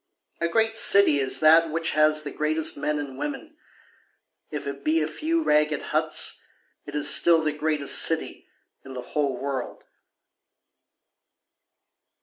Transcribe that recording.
A great city is that which has the greatest men and women, If it be a few ragged huts it is still the greatest city in the whole world.